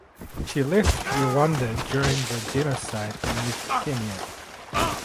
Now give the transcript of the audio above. She left Rwanda during the genocide and moved to Kenya.